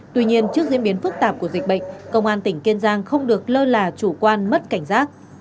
tuy nhiên trước diễn biến phức tạp của dịch bệnh công an tỉnh kiên giang không được lơ là chủ quan mất cảnh giác